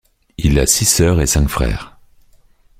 Il a six sœurs et cinq frères.